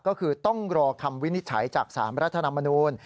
ก็คือต้องรอคำวินิจฉัยจาก๓รัฐธรรมนูล